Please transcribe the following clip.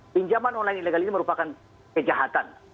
pinjaman online ilegal ini merupakan kejahatan